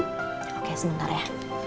oke sebentar ya